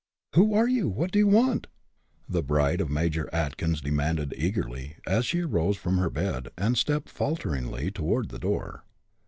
"Who are you? what do you want?" the bride of Major Atkins demanded, eagerly, as she arose from her bed, and stepped falteringly toward the door.